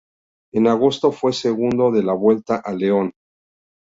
En agosto fue segundo de la Vuelta a León.